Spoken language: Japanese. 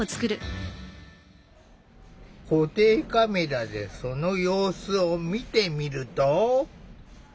固定カメラでその様子を見てみると。